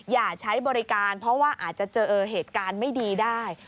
อย่าใช้บริการเพราะว่าอาจจะเจอเหตุการณ์ไม่ดีได้